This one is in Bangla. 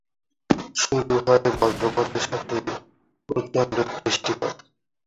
শুরু হয় বজ্রপাতের সাথে প্রচন্ড বৃষ্টিপাত।